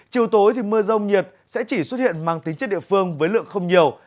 chiều tối thì mưa rông nhiệt sẽ chỉ xuất hiện mang tính chất địa phương với lượng không nhiều